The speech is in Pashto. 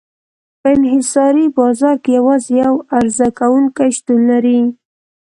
په انحصاري بازار کې یوازې یو عرضه کوونکی شتون لري.